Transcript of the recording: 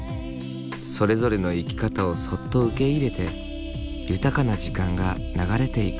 それぞれの生き方をそっと受け入れて豊かな時間が流れていく。